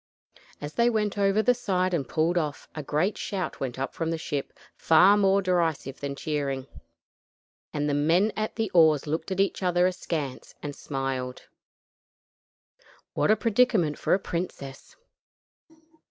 As they went over the side and pulled off, a great shout went up from the ship far more derisive than cheering, and the men at the oars looked at each other askance and smiled. What a predicament for a princess!